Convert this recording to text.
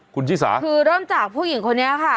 คุณชิสาคือเริ่มจากผู้หญิงคนนี้ค่ะ